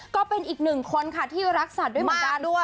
ก็เป็นอีกหนึ่งคนค่ะที่รักสัตว์ด้วยเหมือนกันด้วย